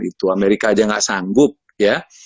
itu amerika aja gak sanggup ya